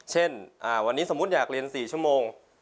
เช่นวันนี้สมมุติอยากเรียน๔ชั่วโมง